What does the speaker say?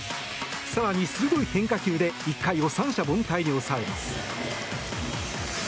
更に鋭い変化球で１回を三者凡退に抑えます。